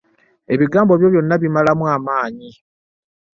Ebigambo byo byonna bimalamu amanyi.